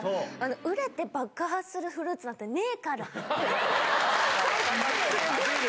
熟れて爆発するフルーツなんてねえから。